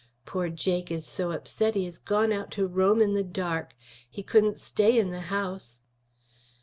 Poor Jake is so upset he has gone out to roam in the dark. He couldn't stay in the house."